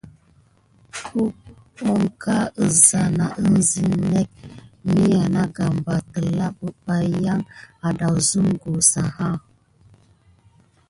Kogan isa nà kisinek miya nà gambà, telā bebaye kia adesumku seya.